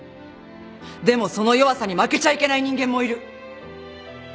でもその弱さに負けちゃいけない人間もいる。